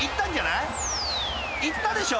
［いったでしょ？］